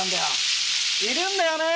いるんだよねえ。